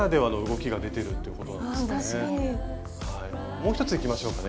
もう１ついきましょうかね。